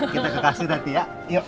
yaudah kita kasih nanti ya